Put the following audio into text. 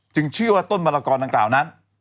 จึงชื่อว่าต้นมะกอกนางกล่าวนั้น